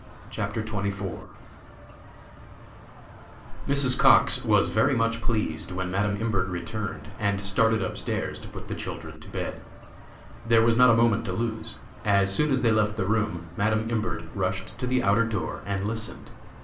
CHAPTER XXIV. Mrs. Cox was very much pleased when Madam Imbert returned, and started up stairs to put the children to bed. There was not a moment to lose. As soon as they left the room Madam Imbert rushed to the outer door and listened.